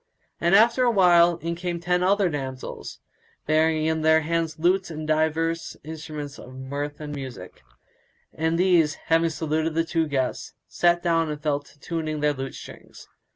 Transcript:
And after a while in came other ten damsels, bearing in their hands lutes and divers instruments of mirth and music; and these, having saluted the two guests, sat down and fell to tuning their lute strings.